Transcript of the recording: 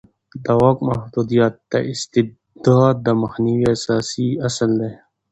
د واک محدودیت د استبداد د مخنیوي اساسي اصل دی